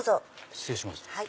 失礼します。